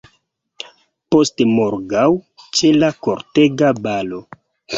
Postmorgaŭ, ĉe la kortega balo!